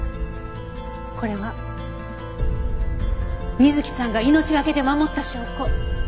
これは瑞希さんが命懸けで守った証拠。